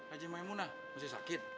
ajem maimunah musti sakit